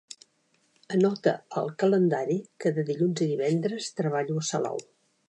Anota al calendari que de dilluns a divendres treballo a Salou.